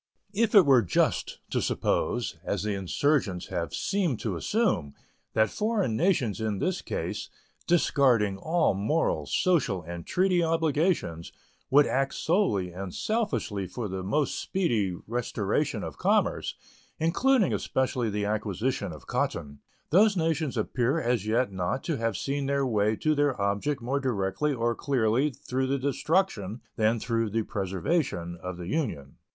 If it were just to suppose, as the insurgents have seemed to assume, that foreign nations in this case, discarding all moral, social, and treaty obligations, would act solely and selfishly for the most speedy restoration of commerce, including especially the acquisition of cotton, those nations appear as yet not to have seen their way to their object more directly or clearly through the destruction than through the preservation of the Union.